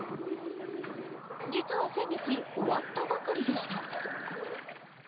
実は先月、終わったばかりでした。